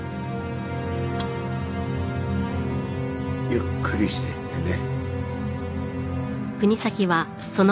ゆっくりしてってね。